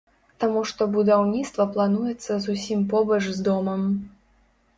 Таму што будаўніцтва плануецца зусім побач з домам.